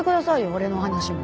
俺の話も。